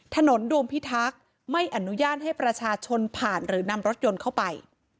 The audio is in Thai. ดวงพิทักษ์ไม่อนุญาตให้ประชาชนผ่านหรือนำรถยนต์เข้าไป